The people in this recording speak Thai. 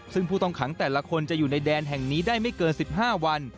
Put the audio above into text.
ซึ่งผู้ต้องขังแต่ละคนจะอยู่ในแดนแห่งนี้ได้ไม่เกิน๑๕วัน